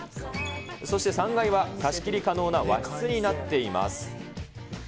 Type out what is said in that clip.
そして３階は貸し切り可能な和室になっています。